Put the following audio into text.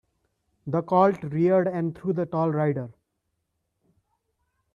The colt reared and threw the tall rider.